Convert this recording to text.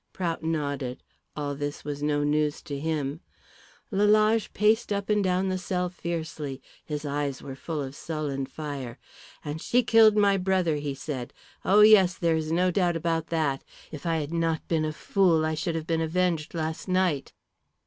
Prout nodded. All this was no news to him. Lalage paced up and down the cell fiercely. His eyes were full of sullen fire. "And she killed my brother," he said. "Oh, yes, there is no doubt about that. If I had not been a fool I should have been avenged last night."